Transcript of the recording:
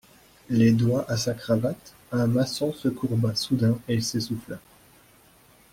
Les doigts à sa cravate, un maçon se courba soudain et s'essouffla.